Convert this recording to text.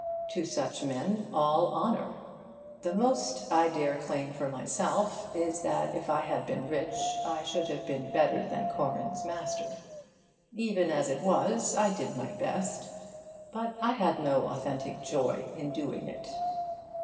To such men, all honour. The most I dare claim for myself is that if I had been rich I should have been better than Corin's master. Even as it was, I did my best. But I had no authentic joy in doing it.